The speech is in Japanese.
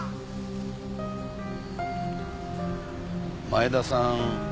前田さん